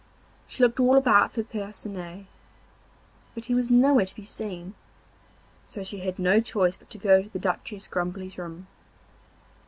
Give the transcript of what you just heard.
She looked all about for Percinet, but he was nowhere to be seen; so she had no choice but to go to the Duchess Grumbly's room.